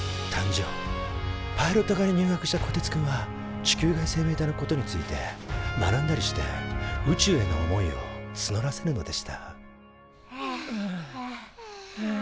パイロット科に入学したこてつくんは地球外生命体のことについて学んだりして宇宙への思いをつのらせるのでしたはあはあはあ。